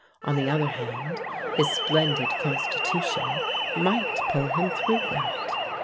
On the other hand his splendid constitution might pull him through that.